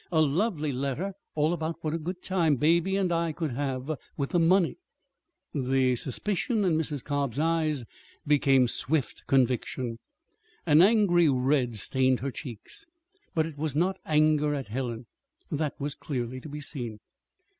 A lovely letter, all about what a good time Baby and I could have with the money." The suspicion in Mrs. Cobb's eyes became swift conviction. An angry red stained her cheeks but it was not anger at Helen. That was clearly to be seen.